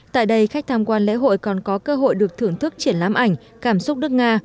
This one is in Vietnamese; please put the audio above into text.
tại đây khách tham quan lễ hội còn có cơ hội được thưởng thức triển lãm ảnh cảm xúc đức nga